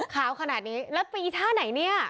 ขาวขนาดนี้แล้วตีท่าไหนเนี่ย